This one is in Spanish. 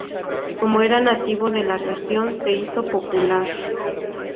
Como era nativo de la región, se hizo popular.